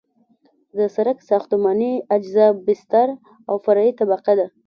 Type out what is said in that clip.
د سرک ساختماني اجزا بستر او فرعي طبقه ده